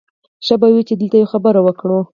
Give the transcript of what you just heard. ښه به وي چې دلته یوه خبره وکړو